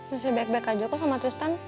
masih baik baik aja kok sama tristan